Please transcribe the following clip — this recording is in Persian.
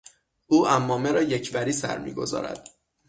او عمامه را یک وری سر میگذارد.